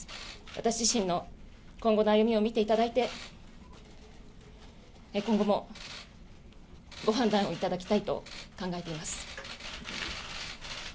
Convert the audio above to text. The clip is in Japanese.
私自身の今後の歩みを見ていただいて、今後もご判断をいただきたいと考えています。